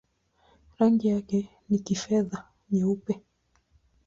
Rangi yake ni kifedha-nyeupe.